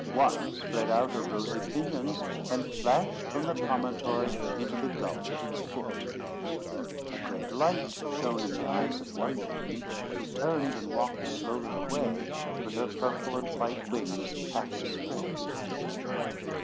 One spread out her rosy pinions, and flashed from the promontory into the gulf at its foot. A great light shone in the eyes of one maiden, who turned and walked slowly away, with her purple and white wings half dispread behind her.